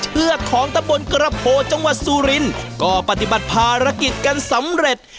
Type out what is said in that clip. เชือกของตะบนกระโพจังหวัดสุรินก็ปฏิบัติภารกิจกันสำเร็จ